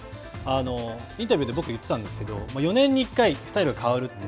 インタビューで僕言っていたんですけど４年に１回スタイルが変わるって。